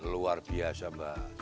luar biasa mbak